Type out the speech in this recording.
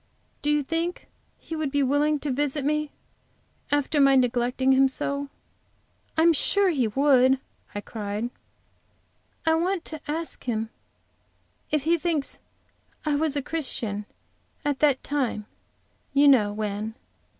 Do you think he would be willing to visit me after my neglecting him so?" "I am sure he would," I cried. "I want to ask him if he thinks I was a Christian at that time you know when.